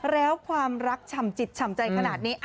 แล้วความรักฉ่ำจิตฉ่ำใจขนาดนี้